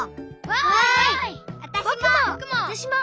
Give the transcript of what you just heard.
わたしも！